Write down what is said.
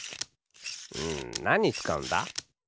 うんなににつかうんだ？